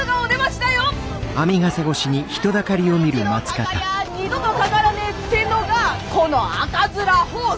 一度かかりゃあ二度とかからねえってのがこの赤面疱瘡！